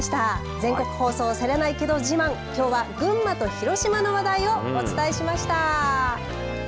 全国放送されないけど自慢きょうは群馬と広島の話題をお伝えしました。